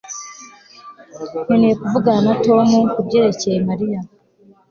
Nkeneye kuvugana na Tom kubyerekeye Mariya